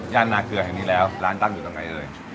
นาเกลือแห่งนี้แล้วร้านตั้งอยู่ตรงไหนเอ่ย